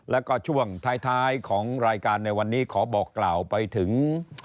แล้วก็ช่วงท้ายของรายการในวันนี้ขอบอกกล่าวไปถึง